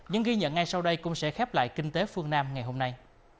những ghi nhận ngay sau đây cũng sẽ khép lại kinh tế phương nam ngày hôm nay